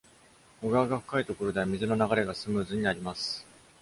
小川が深いところでは、水の流れがスムーズになります。